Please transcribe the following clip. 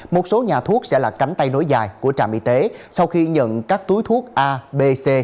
một số nhà thuốc sẽ là cánh tay nối dài của trạm y tế sau khi nhận các túi thuốc a bc